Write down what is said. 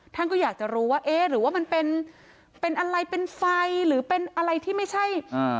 ท่านก็อยากจะรู้ว่าเอ๊ะหรือว่ามันเป็นเป็นอะไรเป็นไฟหรือเป็นอะไรที่ไม่ใช่อ่า